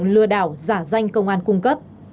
lừa đảo giả danh công an cung cấp